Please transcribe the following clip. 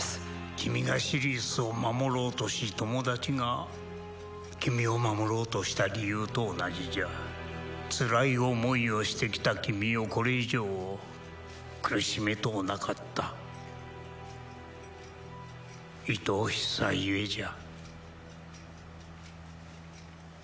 君がシリウスを守ろうとし友達が君を守ろうとした理由と同じじゃつらい思いをしてきた君をこれ以上苦しめとうなかったいとおしさゆえじゃ